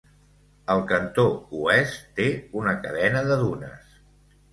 Al cantó oest té una cadena de dunes.